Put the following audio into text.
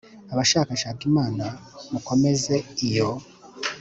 abashakashaka imana, mukomeze iyo